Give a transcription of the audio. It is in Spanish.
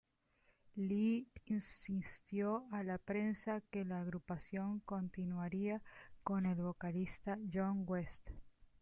Lee insistió a la prensa que la agrupación continuaría con el vocalista John West.